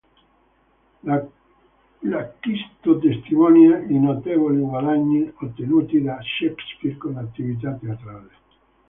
L'acquisto testimonia i notevoli guadagni ottenuti da Shakespeare con l'attività teatrale.